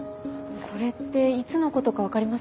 それっていつのことか分かりますか？